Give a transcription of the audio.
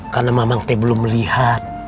karena mama mang teh belum melihat